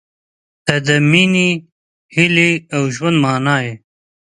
• ته د مینې، هیلې، او ژوند معنی یې.